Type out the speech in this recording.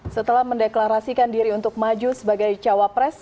setelah mendeklarasikan diri untuk maju sebagai cawapres